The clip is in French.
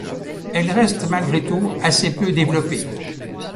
Elle reste malgré tout assez peu développée.